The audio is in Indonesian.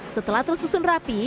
setelah tersusun rapi